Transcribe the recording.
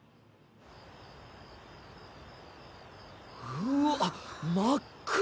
うわっ真っ暗。